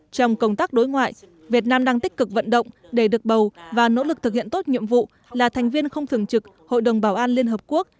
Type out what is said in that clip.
trong công tác đối ngoại việt nam đang tích cực vận động để được bầu và nỗ lực thực hiện tốt nhiệm vụ là thành viên không thường trực hội đồng bảo an liên hợp quốc